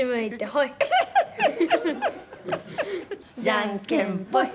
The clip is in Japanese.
じゃんけんぽい。